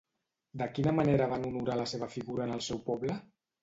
De quina manera van honorar la seva figura en el seu poble?